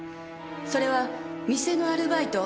それは店のアルバイト